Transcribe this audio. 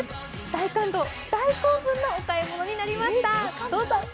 大感動、大興奮のお買い物になりました。